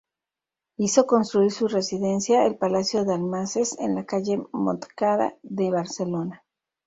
Hizo construir su residencia, el Palacio Dalmases, en la calle Montcada de Barcelona.